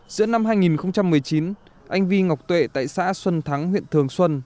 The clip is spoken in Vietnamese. giữa năm hai nghìn một mươi chín anh vi ngọc tuệ tại xã xuân thắng huyện thường xuân